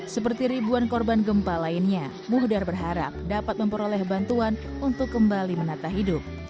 seperti ribuan korban gempa lainnya muhdar berharap dapat memperoleh bantuan untuk kembali menata hidup